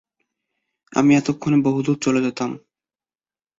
আমি এতক্ষনে বহুদুর চলে যেতাম।